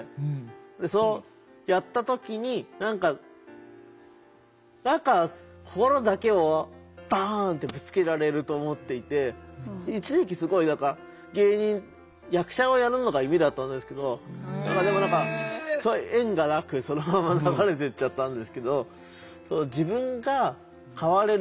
でやった時に何か何かと思っていて一時期すごい何か芸人役者をやるのが夢だったんですけどでも何か縁がなくそのまま流れてっちゃったんですけど。